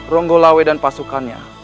ronggolawe dan pasukannya